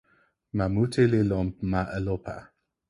ma mute li lon ma Elopa.